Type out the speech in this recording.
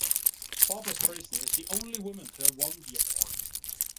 Barbra Streisand is the only woman to have won the award.